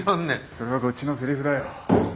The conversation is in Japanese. それはこっちのせりふだよ。